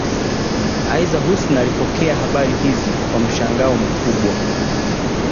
Aidha Husna alipokea habari hizi kwa mshangao mkubwa